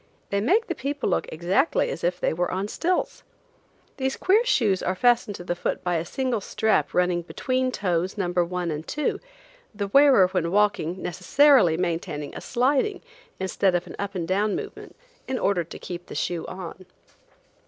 They make the people look exactly as if they were on stilts. These queer shoes are fastened to the foot by a single strap running between toes number one and two, the wearer when walking necessarily maintaining a sliding instead of an up and down movement, in order to keep the shoe on.